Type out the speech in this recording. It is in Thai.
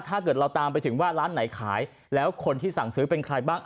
ถ้าเกิดเราตามไปถึงว่าร้านไหนขายแล้วคนที่สั่งซื้อเป็นใครบ้าง